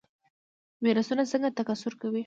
ویروسونه څنګه تکثیر کوي؟